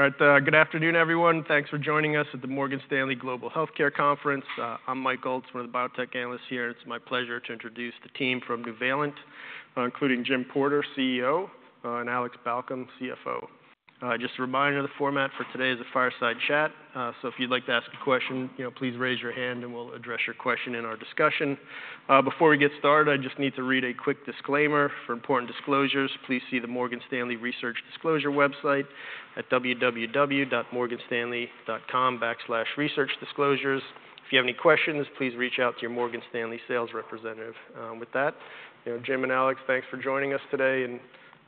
All right, good afternoon, everyone. Thanks for joining us at the Morgan Stanley Global Healthcare Conference. I'm Mike Ulz, one of the biotech analysts here, and it's my pleasure to introduce the team from Nuvalent, including Jim Porter, CEO, and Alex Balcom, CFO. Just a reminder, the format for today is a fireside chat, so if you'd like to ask a question, you know, please raise your hand, and we'll address your question in our discussion. Before we get started, I just need to read a quick disclaimer. For important disclosures, please see the Morgan Stanley Research Disclosure website at www.morganstanley.com/researchdisclosures. If you have any questions, please reach out to your Morgan Stanley sales representative. With that, you know, Jim and Alex, thanks for joining us today,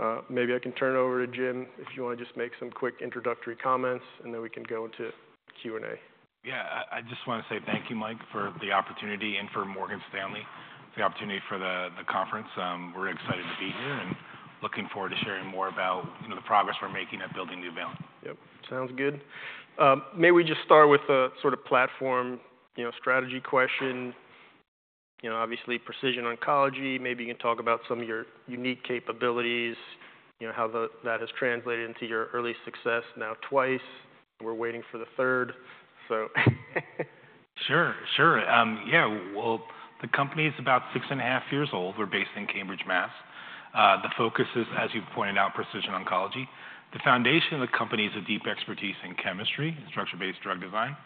and maybe I can turn it over to Jim, if you wanna just make some quick introductory comments, and then we can go into Q&A. Yeah, I just wanna say thank you, Mike, for the opportunity and for Morgan Stanley, the opportunity for the conference. We're excited to be here and looking forward to sharing more about, you know, the progress we're making at building Nuvalent. Yep, sounds good. May we just start with a sort of platform, you know, strategy question? You know, obviously, precision oncology, maybe you can talk about some of your unique capabilities, you know, how that has translated into your early success now twice. We're waiting for the third, so Sure, sure. Yeah, well, the company is about six and a half years old. We're based in Cambridge, Mass. The focus is, as you pointed out, precision oncology. The foundation of the company is a deep expertise in chemistry and structure-based drug design.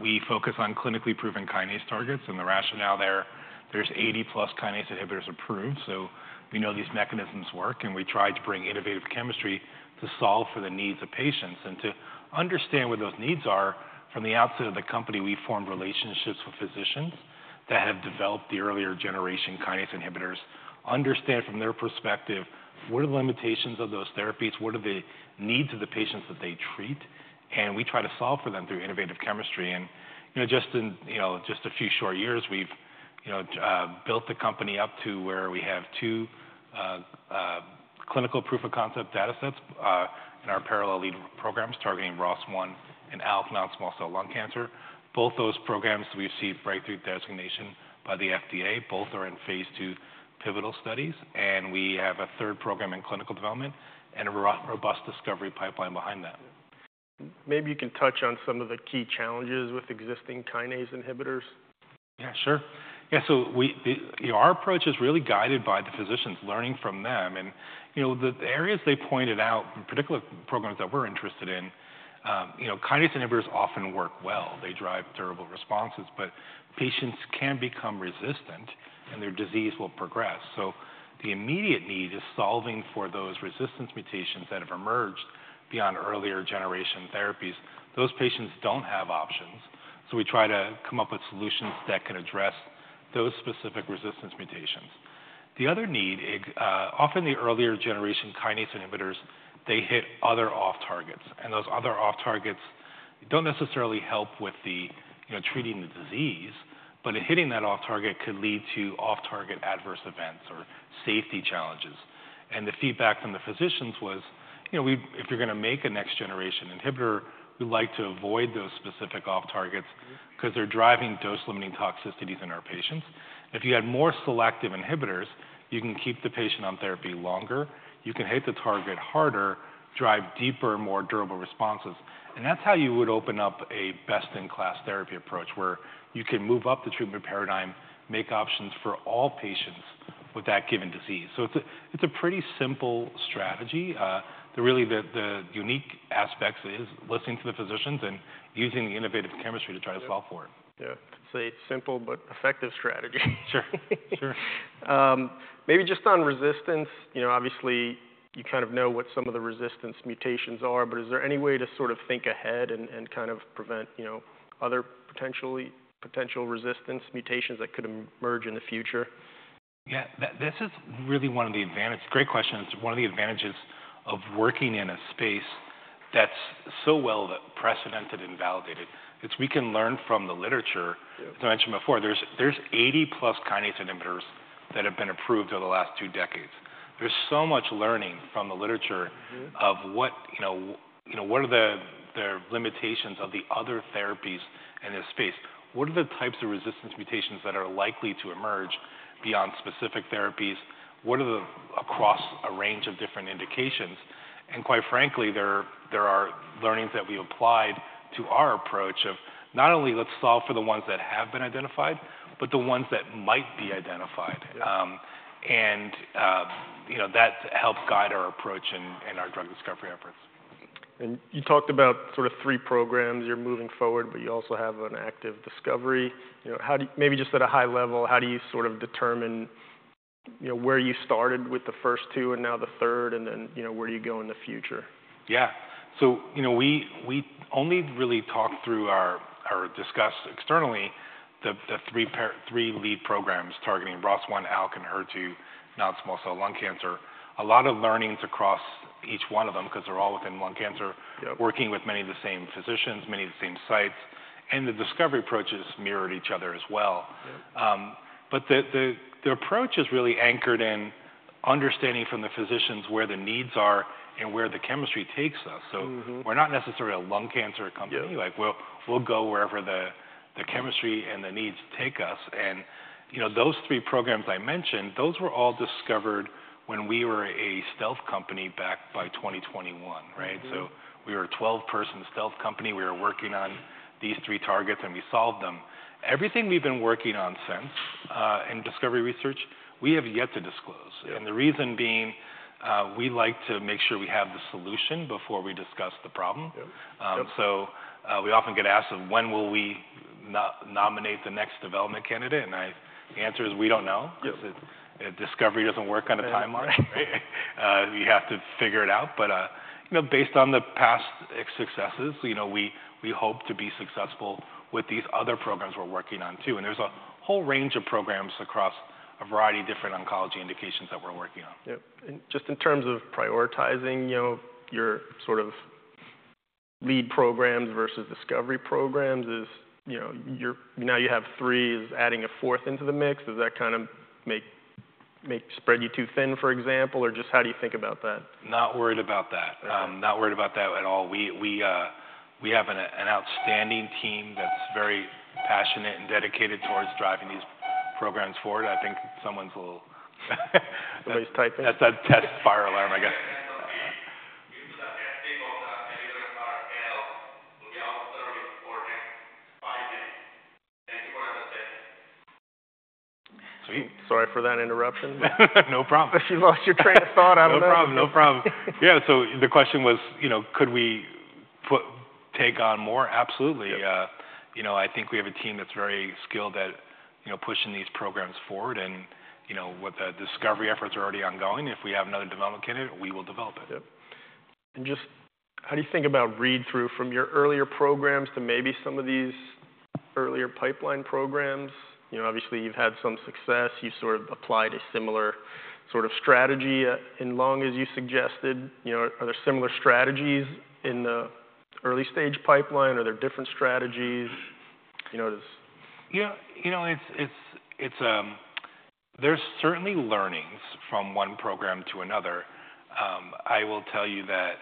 We focus on clinically proven kinase targets, and the rationale there, there's 80 plus kinase inhibitors approved, so we know these mechanisms work, and we try to bring innovative chemistry to solve for the needs of patients. And to understand what those needs are, from the outset of the company, we formed relationships with physicians that have developed the earlier generation kinase inhibitors, understand from their perspective, what are the limitations of those therapies? What are the needs of the patients that they treat? And we try to solve for them through innovative chemistry, and, you know, just in, you know, just a few short years, we've, you know, built the company up to where we have two clinical proof of concept datasets in our parallel lead programs targeting ROS1 and ALK non-small cell lung cancer. Both those programs we've received breakthrough designation by the FDA. Both are in phase II pivotal studies, and we have a third program in clinical development and a robust discovery pipeline behind that. Maybe you can touch on some of the key challenges with existing kinase inhibitors. Yeah, sure. Yeah, so we. Our approach is really guided by the physicians, learning from them, and, you know, the areas they pointed out, in particular, programs that we're interested in, you know, kinase inhibitors often work well. They drive durable responses, but patients can become resistant, and their disease will progress. So the immediate need is solving for those resistance mutations that have emerged beyond earlier-generation therapies. Those patients don't have options, so we try to come up with solutions that can address those specific resistance mutations. The other need, often the earlier-generation kinase inhibitors, they hit other off targets, and those other off targets don't necessarily help with the, you know, treating the disease, but hitting that off target could lead to off-target adverse events or safety challenges. The feedback from the physicians was, "You know, we-- if you're gonna make a next-generation inhibitor, we'd like to avoid those specific off targets- Mm-hmm. 'Cause they're driving dose-limiting toxicities in our patients. If you had more selective inhibitors, you can keep the patient on therapy longer, you can hit the target harder, drive deeper, more durable responses. And that's how you would open up a best-in-class therapy approach, where you can move up the treatment paradigm, make options for all patients with that given disease. So it's a pretty simple strategy. The really unique aspects is listening to the physicians and using the innovative chemistry to try to solve for it. Yeah. Yeah, it's a simple but effective strategy. Sure, sure. Maybe just on resistance, you know, obviously, you kind of know what some of the resistance mutations are, but is there any way to sort of think ahead and kind of prevent, you know, other potential resistance mutations that could emerge in the future? Yeah, this is really one of the advantages. Great question. It's one of the advantages of working in a space that's so well precedented and validated, it's we can learn from the literature. Yeah. As I mentioned before, there's eighty-plus kinase inhibitors that have been approved over the last two decades. There's so much learning from the literature. Mm-hmm Of what, you know, what are the limitations of the other therapies in this space? What are the types of resistance mutations that are likely to emerge beyond specific therapies? What are the, across a range of different indications? And quite frankly, there are learnings that we applied to our approach of not only let's solve for the ones that have been identified, but the ones that might be identified. Yeah. And, you know, that's helped guide our approach and our drug discovery efforts. You talked about sort of three programs you're moving forward, but you also have an active discovery. You know, maybe just at a high level, how do you sort of determine, you know, where you started with the first two and now the third, and then, you know, where do you go in the future? Yeah. So, you know, we only really talked through our, or discussed externally, the three lead programs targeting ROS1, ALK, and HER2 non-small cell lung cancer. A lot of learnings across each one of them 'cause they're all within lung cancer. Yeah Working with many of the same physicians, many of the same sites, and the discovery approaches mirrored each other as well. Yeah. But the approach is really anchored in understanding from the physicians where the needs are and where the chemistry takes us. Mm-hmm. We're not necessarily a lung cancer company. Yeah. Like, we'll go wherever the chemistry and the needs take us. And, you know, those three programs I mentioned, those were all discovered when we were a stealth company back by 2021, right? Mm-hmm. We were a twelve-person stealth company. We were working on these three targets, and we solved them. Everything we've been working on since, in discovery research, we have yet to disclose. Yep. The reason being, we like to make sure we have the solution before we discuss the problem. Yep, yep. We often get asked when we will nominate the next development candidate, and the answer is we don't know. Yep. 'Cause discovery doesn't work on a timeline. We have to figure it out, but you know, based on the past successes, you know, we hope to be successful with these other programs we're working on too. And there's a whole range of programs across a variety of different oncology indications that we're working on. Yep, and just in terms of prioritizing, you know, your sort of lead programs versus discovery programs. You know, you now have three. Is adding a fourth into the mix? Does that kind of make spread you too thin, for example? Or just how do you think about that? Not worried about that. Okay. I'm not worried about that at all. We have an outstanding team that's very passionate and dedicated towards driving these programs forward. I think someone's a little. Somebody's typing. That's a test fire alarm, I guess. Sweet. Sorry for that interruption. No problem. If you lost your train of thought, I know. No problem, no problem. Yeah, so the question was, you know, could we take on more? Absolutely. Yep. You know, I think we have a team that's very skilled at, you know, pushing these programs forward, and you know, with the discovery efforts are already ongoing, if we have another development candidate, we will develop it. Yep. And just how do you think about read-through from your earlier programs to maybe some of these earlier pipeline programs? You know, obviously, you've had some success. You sort of applied a similar sort of strategy in lung, as you suggested. You know, are there similar strategies in the early-stage pipeline? Are there different strategies? You know, just- Yeah. You know, it's. There's certainly learnings from one program to another. I will tell you that,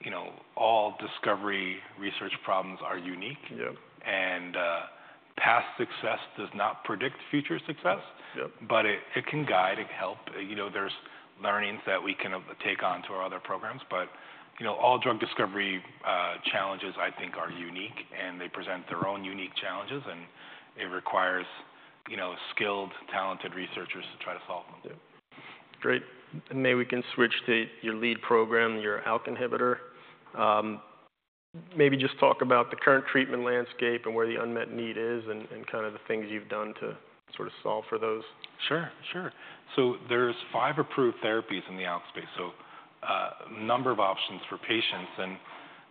you know, all discovery research problems are unique. Yep. Past success does not predict future success. Yep. But it can guide, it can help. You know, there's learnings that we can take on to our other programs. But, you know, all drug discovery challenges, I think, are unique, and they present their own unique challenges, and it requires, you know, skilled, talented researchers to try to solve them. Yep. Great. Maybe we can switch to your lead program, your ALK inhibitor. Maybe just talk about the current treatment landscape and where the unmet need is, and kind of the things you've done to sort of solve for those. Sure, sure. So there's five approved therapies in the ALK space, so, number of options for patients, and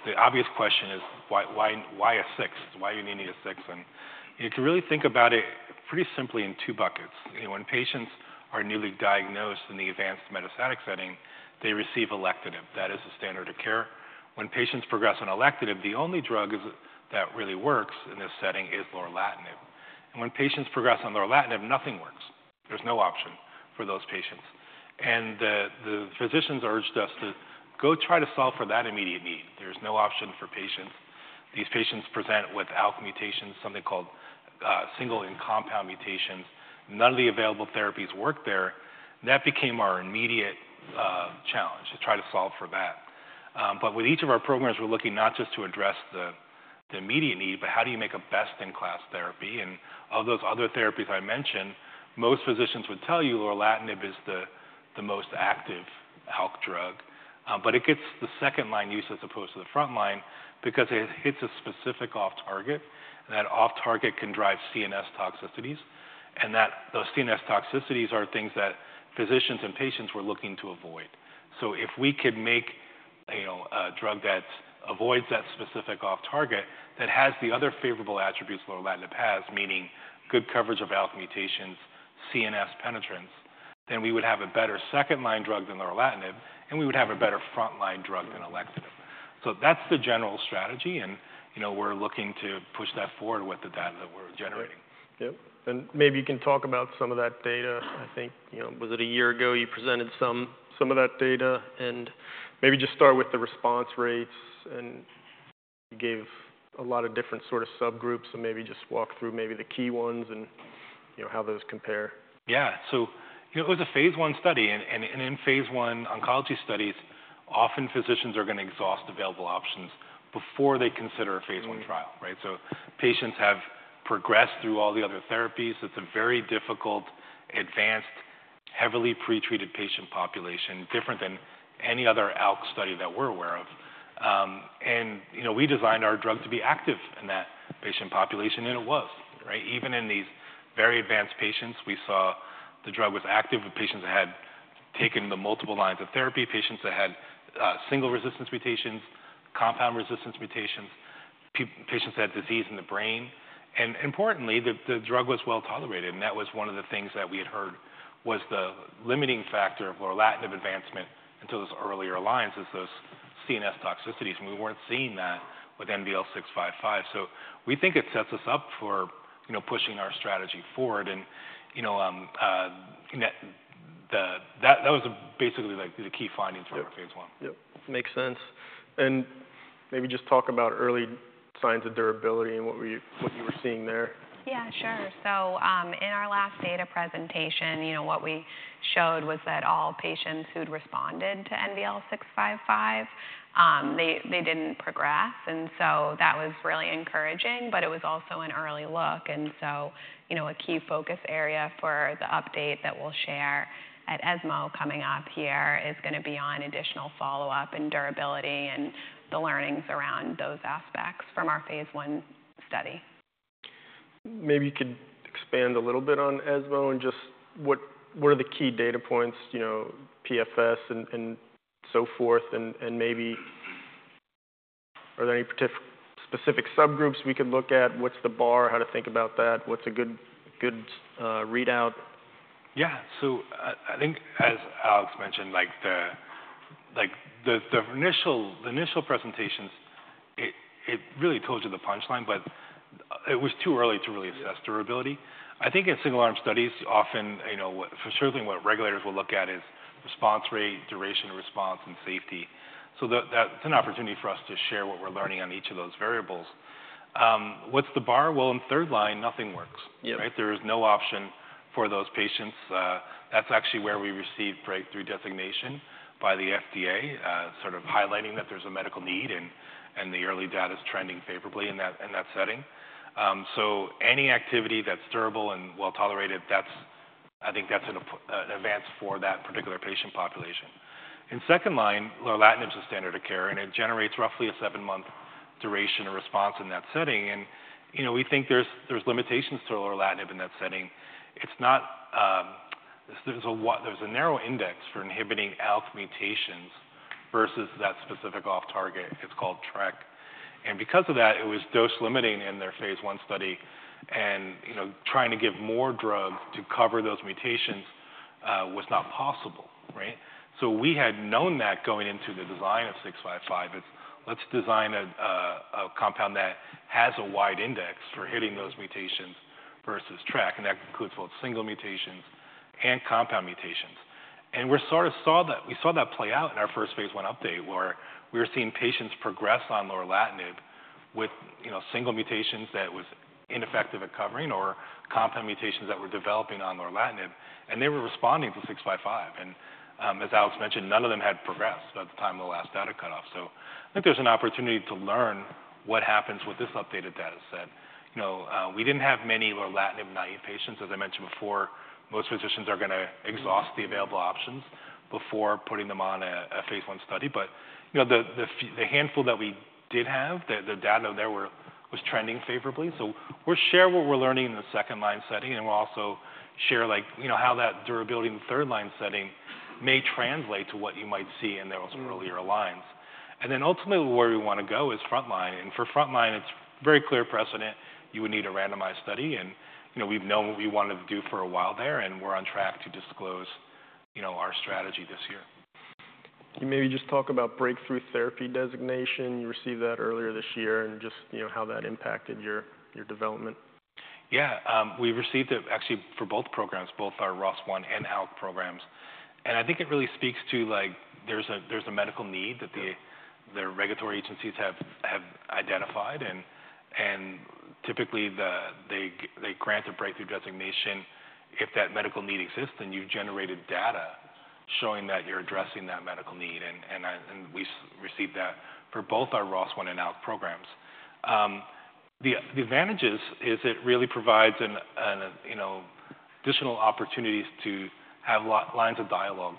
the obvious question is, "Why, why, why a sixth? Why you needing a sixth?" And you can really think about it pretty simply in two buckets. You know, when patients are newly diagnosed in the advanced metastatic setting, they receive alectinib. That is the standard of care. When patients progress on alectinib, the only drug is that really works in this setting is lorlatinib. And when patients progress on lorlatinib, nothing works. There's no option for those patients. And the physicians urged us to go try to solve for that immediate need. There's no option for patients. These patients present with ALK mutations, something called single and compound mutations. None of the available therapies work there. That became our immediate challenge, to try to solve for that. But with each of our programs, we're looking not just to address the immediate need, but how do you make a best-in-class therapy? And of those other therapies I mentioned, most physicians would tell you lorlatinib is the most active ALK drug. But it gets the second-line use as opposed to the front line because it hits a specific off-target, and that off-target can drive CNS toxicities, and those CNS toxicities are things that physicians and patients were looking to avoid. So if we could make, you know, a drug that avoids that specific off-target, that has the other favorable attributes lorlatinib has, meaning good coverage of ALK mutations, CNS penetrance, then we would have a better second-line drug than lorlatinib, and we would have a better front-line drug than alectinib. So that's the general strategy, and, you know, we're looking to push that forward with the data that we're generating. Yep, and maybe you can talk about some of that data. I think, you know, was it a year ago, you presented some of that data, and maybe just start with the response rates, and you gave a lot of different sort of subgroups, so maybe just walk through maybe the key ones and, you know, how those compare. Yeah. So, you know, it was a phase I study, and in phase I oncology studies, often physicians are gonna exhaust available options before they consider a- Mm Phase I trial, right? So patients have progressed through all the other therapies. It's a very difficult, advanced, heavily pretreated patient population, different than any other ALK study that we're aware of. And, you know, we designed our drug to be active in that patient population, and it was, right? Even in these very advanced patients, we saw the drug was active with patients that had taken the multiple lines of therapy, patients that had single resistance mutations, compound resistance mutations, patients that had disease in the brain. And importantly, the drug was well tolerated, and that was one of the things that we had heard was the limiting factor of lorlatinib advancement until those earlier lines is those CNS toxicities, and we weren't seeing that with NVL-655. So we think it sets us up for, you know, pushing our strategy forward. You know, that was basically, like, the key findings. Yep For our phase I. Yep. Makes sense. Maybe just talk about early signs of durability and what we, what you were seeing there. Yeah, sure. So, in our last data presentation, you know, what we showed was that all patients who'd responded to NVL-655, they didn't progress, and so that was really encouraging, but it was also an early look, and so you know, a key focus area for the update that we'll share at ESMO coming up here is gonna be on additional follow-up and durability, and the learnings around those aspects from our phase I study. Maybe you could expand a little bit on ESMO and just what are the key data points, you know, PFS and so forth? And maybe are there any specific subgroups we could look at? What's the bar? How to think about that? What's a good readout? Yeah, so I think as Alex mentioned, like, the initial presentations, it really told you the punchline, but it was too early to really assess durability. Yeah. I think in single arm studies, often, you know, for certainly what regulators will look at is response rate, duration of response, and safety. So that, that's an opportunity for us to share what we're learning on each of those variables. What's the bar? Well, in third line, nothing works. Yeah. Right? There is no option for those patients. That's actually where we received breakthrough designation by the FDA, sort of highlighting that there's a medical need, and the early data is trending favorably in that setting. So any activity that's durable and well-tolerated, that's I think that's an advance for that particular patient population. In second line, lorlatinib is the standard of care, and it generates roughly a seven-month duration of response in that setting and, you know, we think there's limitations to lorlatinib in that setting. It's not, there's a narrow index for inhibiting ALK mutations versus that specific off target. It's called TRK. And because of that, it was dose limiting in their phase I study, and, you know, trying to give more drug to cover those mutations, was not possible, right? So we had known that going into the design of 655 It's, let's design a compound that has a wide index for hitting those mutations versus TRK, and that includes both single mutations and compound mutations. And we saw that play out in our first phase I update, where we were seeing patients progress on lorlatinib with, you know, single mutations that was ineffective at covering or compound mutations that were developing on lorlatinib, and they were responding to 655. And, as Alex mentioned, none of them had progressed by the time of the last data cutoff. So I think there's an opportunity to learn what happens with this updated data set. You know, we didn't have many lorlatinib-naive patients. As I mentioned before, most physicians are gonna exhaust the available options before putting them on a phase I study. But, you know, the few-- the handful that we did have, the data there were, was trending favorably. So we'll share what we're learning in the second line setting, and we'll also share, like, you know, how that durability in the third line setting may translate to what you might see in those- Mm-hmm Earlier lines, and then ultimately, where we wanna go is front line, and for front line, it's very clear precedent you would need a randomized study and, you know, we've known what we wanted to do for a while there, and we're on track to disclose, you know, our strategy this year. Can you maybe just talk about breakthrough therapy designation? You received that earlier this year, and just, you know, how that impacted your development. Yeah, we received it actually for both programs, both our ROS1 and ALK programs. And I think it really speaks to, like, there's a medical need- Yeah That the regulatory agencies have identified, and typically, they grant a breakthrough designation if that medical need exists, and you've generated data showing that you're addressing that medical need. And then we received that for both our ROS1 and ALK programs. The advantages is it really provides an, you know, additional opportunities to have lines of dialogue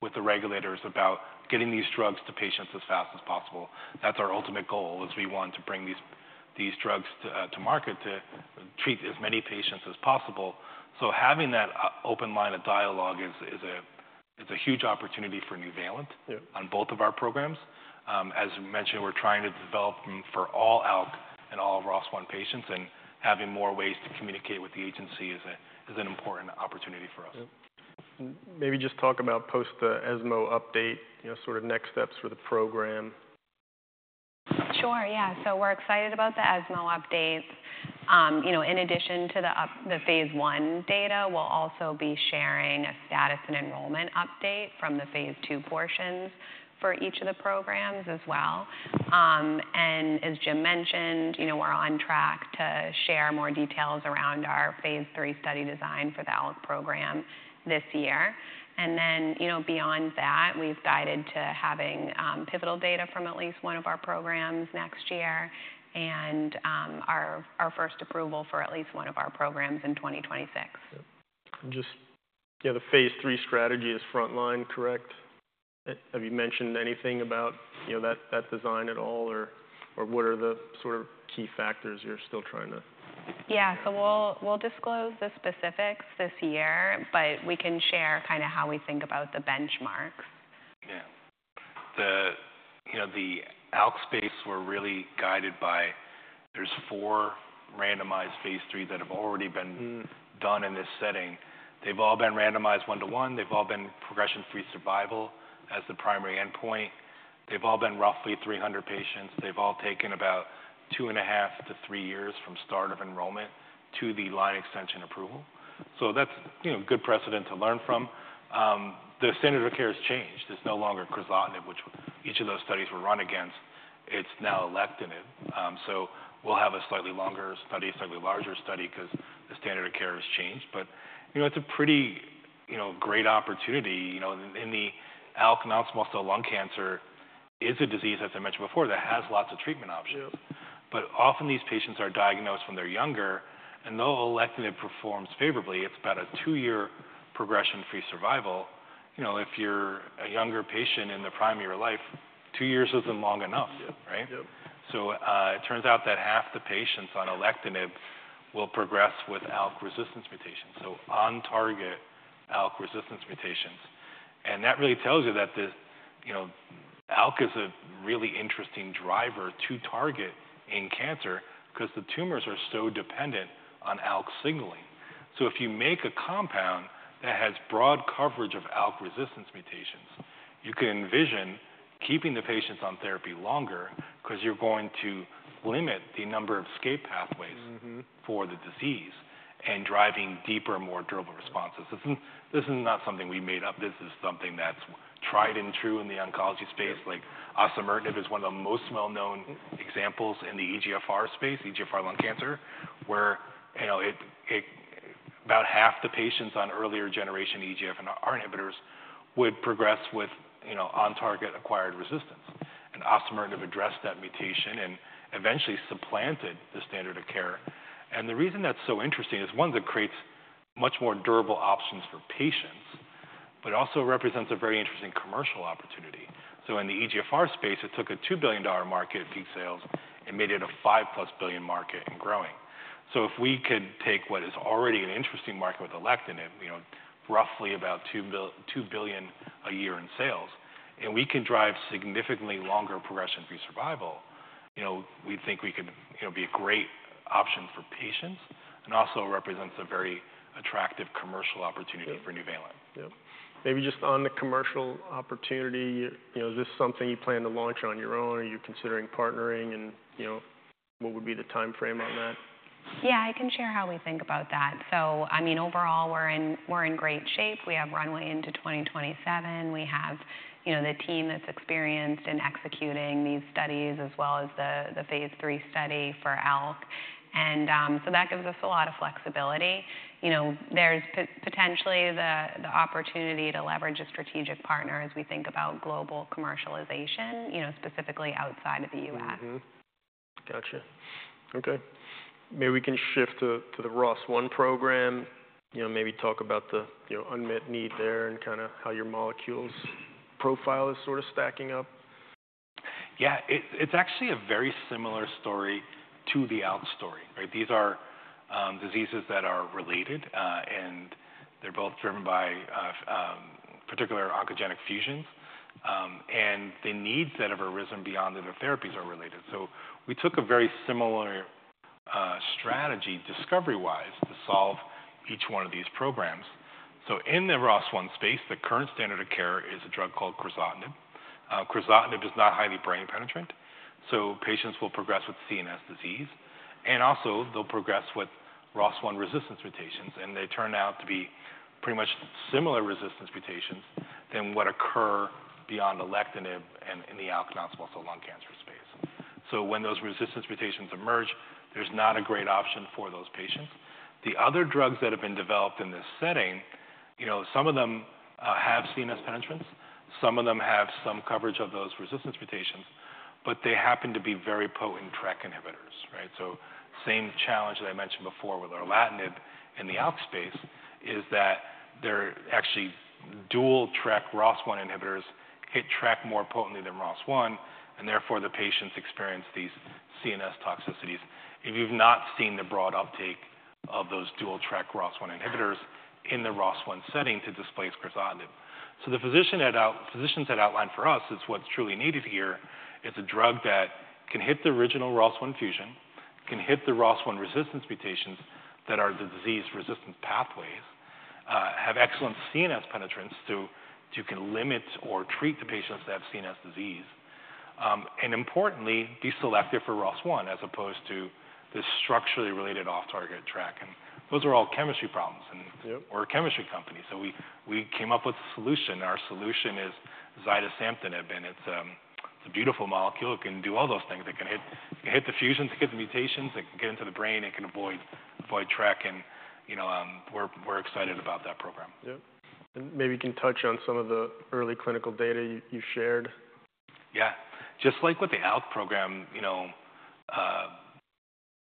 with the regulators about getting these drugs to patients as fast as possible. That's our ultimate goal, is we want to bring these drugs to market to treat as many patients as possible. So having that open line of dialogue is a huge opportunity for Nuvalent. Yeah On both of our programs. As we mentioned, we're trying to develop them for all ALK and all ROS1 patients, and having more ways to communicate with the agency is an important opportunity for us. Yeah. Maybe just talk about post the ESMO update, you know, sort of next steps for the program. Sure. Yeah. So we're excited about the ESMO update. You know, in addition to the update, the phase I data, we'll also be sharing a status and enrollment update from the phase II portions for each of the programs as well. And as Jim mentioned, you know, we're on track to share more details around our phase III study design for the ALK program this year. And then, you know, beyond that, we've guided to having pivotal data from at least one of our programs next year, and our first approval for at least one of our programs in 2026. Yeah. Just, yeah, the phase III strategy is frontline, correct? Have you mentioned anything about, you know, that design at all, or what are the sort of key factors you're still trying to- Yeah. So we'll disclose the specifics this year, but we can share kind of how we think about the benchmarks. Yeah. The, you know, the ALK space, we're really guided by. There's four randomized phase III that have already been- Mm-hmm Done in this setting. They've all been randomized one to one. They've all been progression-free survival as the primary endpoint. They've all been roughly three hundred patients. They've all taken about two and a half to three years from start of enrollment to the line extension approval. So that's, you know, good precedent to learn from. The standard of care has changed. It's no longer crizotinib, which each of those studies were run against. It's now alectinib. So we'll have a slightly longer study, a slightly larger study, 'cause the standard of care has changed. But, you know, it's a pretty, you know, great opportunity, you know, in the ALK non-small cell lung cancer is a disease, as I mentioned before, that has lots of treatment options. Yep. But often, these patients are diagnosed when they're younger, and though alectinib performs favorably, it's about a two-year progression-free survival. You know, if you're a younger patient in the prime of your life, two years isn't long enough. Yep. Right? Yep. So, it turns out that half the patients on alectinib will progress with ALK resistance mutations, so on-target ALK resistance mutations. And that really tells you that this, you know, ALK is a really interesting driver to target in cancer 'cause the tumors are so dependent on ALK signaling. So if you make a compound that has broad coverage of ALK resistance mutations, you can envision keeping the patients on therapy longer 'cause you're going to limit the number of escape pathways- Mm-hmm. for the disease and driving deeper, more durable responses. This is not something we made up, this is something that's tried and true in the oncology space. Yep. Like osimertinib is one of the most well-known examples in the EGFR space, EGFR lung cancer, where, you know, it about half the patients on earlier generation EGFR and ALK inhibitors would progress with, you know, on-target acquired resistance. And osimertinib addressed that mutation and eventually supplanted the standard of care. And the reason that's so interesting is, one, that creates much more durable options for patients, but also represents a very interesting commercial opportunity. So in the EGFR space, it took a $2 billion market at peak sales and made it a $5-plus billion market and growing. So if we could take what is already an interesting market with alectinib, you know, roughly about $2 billion a year in sales, and we can drive significantly longer progression-free survival, you know, we think we could, you know, be a great option for patients and also represents a very attractive commercial opportunity. Yep. For Nuvalent. Yep. Maybe just on the commercial opportunity, you know, is this something you plan to launch on your own, or are you considering partnering? You know, what would be the timeframe on that? Yeah, I can share how we think about that. So, I mean, overall, we're in great shape. We have runway into 2027. We have, you know, the team that's experienced in executing these studies as well as the phase III study for ALK, and so that gives us a lot of flexibility. You know, there's potentially the opportunity to leverage a strategic partner as we think about global commercialization, you know, specifically outside of the US. Mm-hmm. Gotcha. Okay. Maybe we can shift to the ROS1 program. You know, maybe talk about the unmet need there and kinda how your molecules profile is sort of stacking up. Yeah, it's actually a very similar story to the ALK story, right? These are diseases that are related, and they're both driven by particular oncogenic fusions. And the needs that have arisen beyond the therapies are related. So we took a very similar strategy, discovery-wise, to solve each one of these programs. So in the ROS1 space, the current standard of care is a drug called crizotinib. Crizotinib is not highly brain penetrant, so patients will progress with CNS disease, and also they'll progress with ROS1 resistance mutations, and they turn out to be pretty much similar resistance mutations than what occur beyond alectinib and in the ALK non-small cell lung cancer space. So when those resistance mutations emerge, there's not a great option for those patients. The other drugs that have been developed in this setting, you know, some of them, have CNS penetrance, some of them have some coverage of those resistance mutations, but they happen to be very potent TRK inhibitors, right? So same challenge that I mentioned before with lorlatinib in the ALK space is that they're actually dual TRK ROS1 inhibitors, hit TRK more potently than ROS1, and therefore, the patients experience these CNS toxicities. And we've not seen the broad uptake of those dual TRK ROS1 inhibitors in the ROS1 setting to displace crizotinib. The physicians had outlined for us is what's truly needed here is a drug that can hit the original ROS1 fusion, can hit the ROS1 resistance mutations that are the disease-resistant pathways, have excellent CNS penetrance to can limit or treat the patients that have CNS disease, and importantly, be selective for ROS1 as opposed to the structurally related off-target TRK. And those are all chemistry problems, and Yep. We're a chemistry company, so we came up with a solution. Our solution is zidesamtinib, and it's a beautiful molecule. It can do all those things. It can hit the fusions, it can hit the mutations, it can get into the brain, it can avoid TRK, and, you know, we're excited about that program. Yep. And maybe you can touch on some of the early clinical data you shared. Yeah. Just like with the ALK program, you know,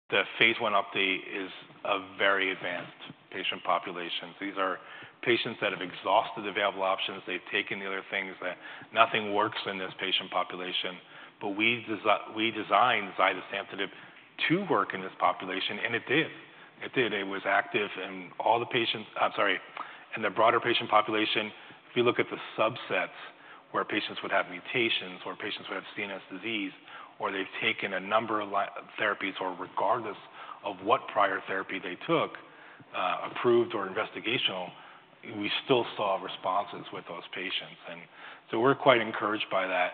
the phase I update is a very advanced patient population. These are patients that have exhausted available options. They've taken the other things, that nothing works in this patient population. But we designed zidesamtinib to work in this population, and it did. It did. It was active in all the patients. I'm sorry, in the broader patient population, if you look at the subsets where patients would have mutations, or patients would have CNS disease, or they've taken a number of therapies, or regardless of what prior therapy they took, approved or investigational, we still saw responses with those patients. And so we're quite encouraged by that.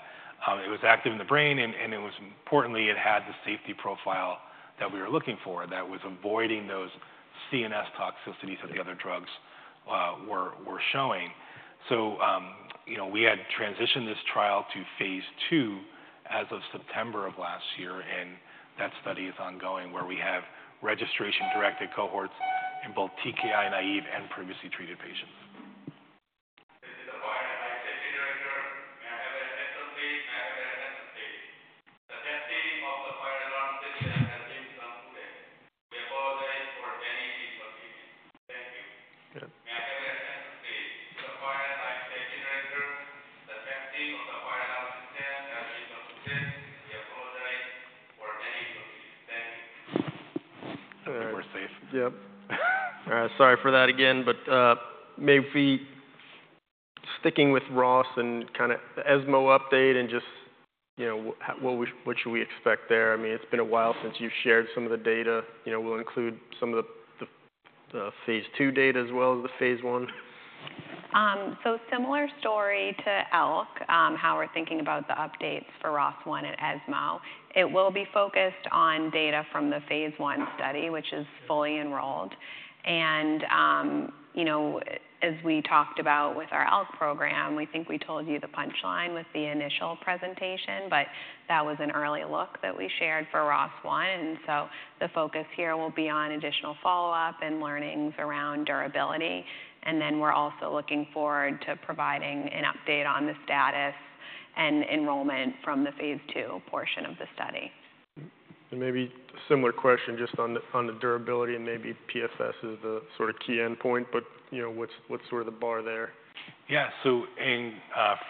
It was active in the brain, and it was importantly, it had the safety profile that we were looking for, that was avoiding those CNS toxicities that the other drugs were showing. So, you know, we had transitioned this trial to phase II as of September of last year, and that study is ongoing, where we have registration-directed cohorts in both TKI-naïve and previously treated patients. Yep. Sorry for that again, but maybe sticking with ROS and kinda the ESMO update and just, you know, what should we expect there? I mean, it's been a while since you've shared some of the data. You know, we'll include some of the phase II data as well as the phase I. So similar story to ALK, how we're thinking about the updates for ROS1 at ESMO. It will be focused on data from the phase I study, which is fully enrolled. And, you know, as we talked about with our ALK program, we think we told you the punchline with the initial presentation, but that was an early look that we shared for ROS1. And so the focus here will be on additional follow-up and learnings around durability, and then we're also looking forward to providing an update on the status and enrollment from the phase II portion of the study. And maybe a similar question just on the durability, and maybe PFS is the sort of key endpoint, but, you know, what's sort of the bar there? Yeah. So in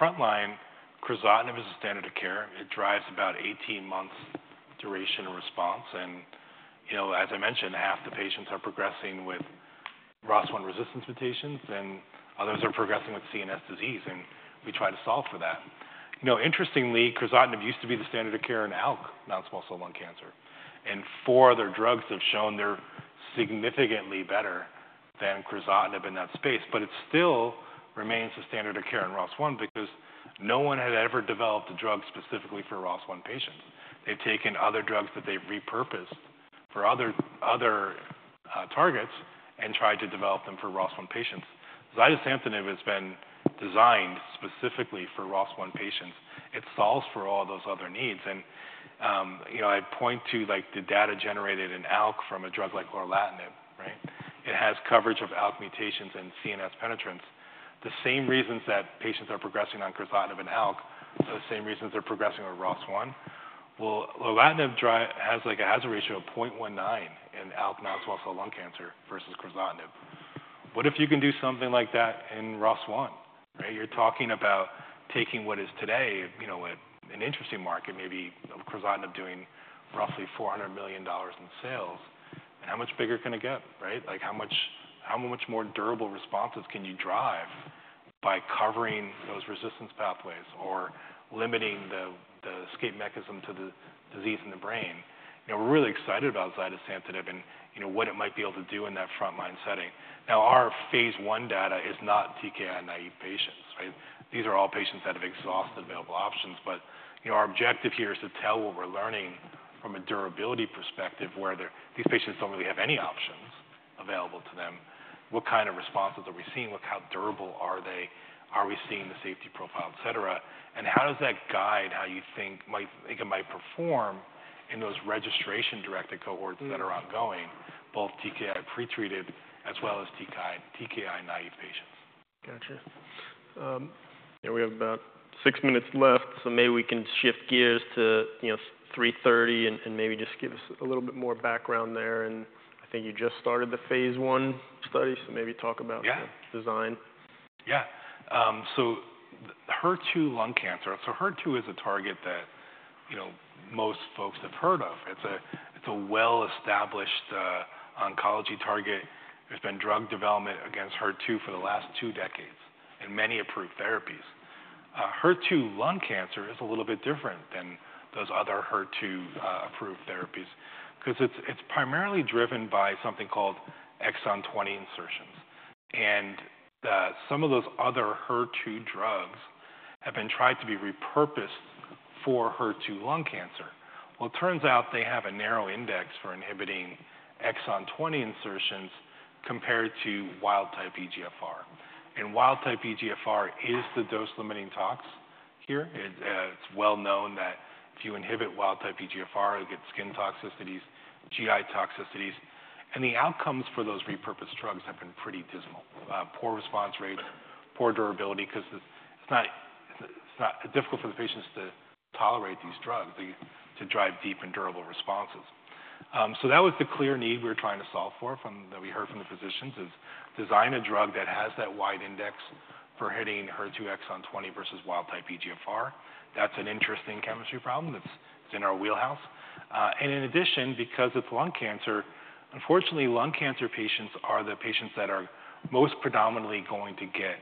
frontline, crizotinib is the standard of care. It drives about eighteen months duration of response, and, you know, as I mentioned, half the patients are progressing with ROS1 resistance mutations, and others are progressing with CNS disease, and we try to solve for that. You know, interestingly, crizotinib used to be the standard of care in ALK, non-small cell lung cancer, and four other drugs have shown they're significantly better than crizotinib in that space. But it still remains the standard of care in ROS1 because no one had ever developed a drug specifically for ROS1 patients. They've taken other drugs that they've repurposed for other targets and tried to develop them for ROS1 patients. Zidesamtinib has been designed specifically for ROS1 patients. It solves for all those other needs. I'd point to, like, the data generated in ALK from a drug like lorlatinib, right? It has coverage of ALK mutations and CNS penetrance. The same reasons that patients are progressing on crizotinib and ALK are the same reasons they're progressing on ROS1. Lorlatinib has, like, a hazard ratio of point one nine in ALK non-small cell lung cancer versus crizotinib. What if you can do something like that in ROS1, right? You're talking about taking what is today, you know, an interesting market, maybe of crizotinib doing roughly $400 million in sales, and how much bigger can it get, right? Like, how much more durable responses can you drive by covering those resistance pathways or limiting the escape mechanism to the disease in the brain? You know, we're really excited about zidesamtinib and, you know, what it might be able to do in that frontline setting. Now, our phase I data is not TKI-naïve patients, right? These are all patients that have exhausted available options. But, you know, our objective here is to tell what we're learning from a durability perspective, where these patients don't really have any options available to them. What kind of responses are we seeing? What? How durable are they? Are we seeing the safety profile, et cetera? And how does that guide how you think it might perform in those registration-directed cohorts- Mm. that are ongoing, both TKI pretreated as well as TKI-naïve patients. Gotcha. Yeah, we have about six minutes left, so maybe we can shift gears to, you know, 330, and maybe just give us a little bit more background there. And I think you just started the phase I study, so maybe talk about the- Yeah -design. Yeah. So the HER2 lung cancer. So HER2 is a target that, you know, most folks have heard of. It's a, it's a well-established, oncology target. There's been drug development against HER2 for the last two decades and many approved therapies. HER2 lung cancer is a little bit different than those other HER2, approved therapies 'cause it's, it's primarily driven by something called Exon 20 insertions. And, some of those other HER2 drugs have been tried to be repurposed for HER2 lung cancer. Well, it turns out they have a narrow index for inhibiting Exon 20 insertions compared to wild-type EGFR. And wild-type EGFR is the dose-limiting tox here. It, it's well known that if you inhibit wild-type EGFR, you'll get skin toxicities, GI toxicities. The outcomes for those repurposed drugs have been pretty dismal: poor response rates, poor durability, 'cause it's not difficult for the patients to tolerate these drugs to drive deep and durable responses. That was the clear need we were trying to solve for, that we heard from the physicians, is design a drug that has that wide index for hitting HER2 Exon 20 versus wild-type EGFR. That's an interesting chemistry problem. That's in our wheelhouse. In addition, because it's lung cancer, unfortunately, lung cancer patients are the patients that are most predominantly going to get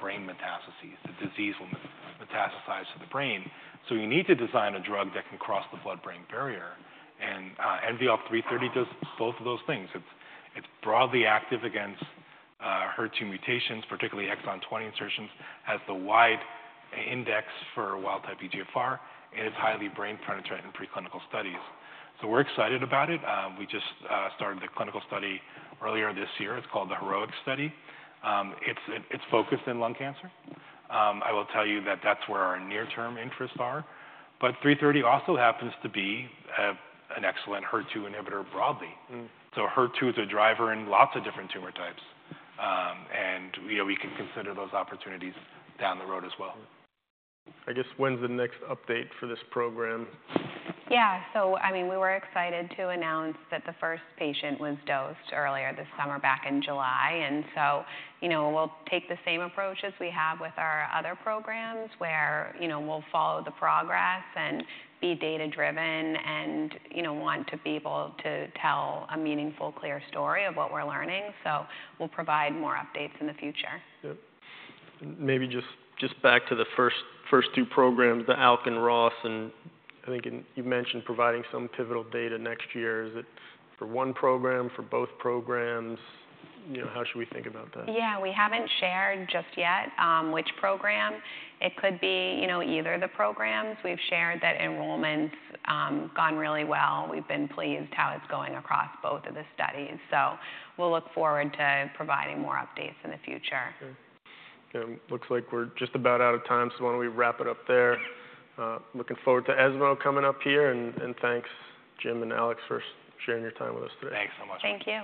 brain metastases. The disease will metastasize to the brain. You need to design a drug that can cross the blood-brain barrier, and NVL-330 does both of those things. It's broadly active against HER2 mutations, particularly Exon 20 insertions, has the wide index for wild-type EGFR, and it's highly brain-penetrant in preclinical studies. So we're excited about it. We just started the clinical study earlier this year. It's called the HEROIC study. It's focused in lung cancer. I will tell you that that's where our near-term interests are. But NVL-330 also happens to be an excellent HER2 inhibitor broadly. Mm. HER2 is a driver in lots of different tumor types. You know, we can consider those opportunities down the road as well. I guess, when's the next update for this program? Yeah, so I mean, we were excited to announce that the first patient was dosed earlier this summer, back in July. And so, you know, we'll take the same approach as we have with our other programs, where, you know, we'll follow the progress and be data-driven and, you know, want to be able to tell a meaningful, clear story of what we're learning. So we'll provide more updates in the future. Yep. Maybe just back to the first two programs, the ALK and ROS. And I think you mentioned providing some pivotal data next year. Is it for one program, for both programs? You know, how should we think about that? Yeah, we haven't shared just yet which program. It could be, you know, either of the programs. We've shared that enrollment gone really well. We've been pleased how it's going across both of the studies. So we'll look forward to providing more updates in the future. Okay. Okay, looks like we're just about out of time, so why don't we wrap it up there? Looking forward to ESMO coming up here, and thanks, Jim and Alex, for sharing your time with us today. Thanks so much. Thank you.